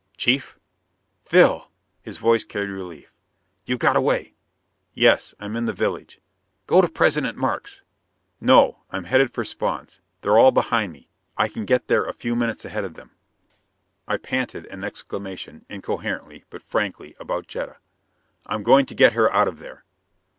"Chief?" "Phil." His voice carried relief. "You got away?" "Yes. I'm in the village." "Go to President Markes." "No, I'm headed for Spawn's! They're all behind me; I can get there a few minutes ahead of them." I panted an exclamation, incoherently, but frankly, about Jetta. "I'm going to get her out of there."